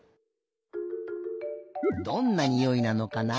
どんなにおいなのかな？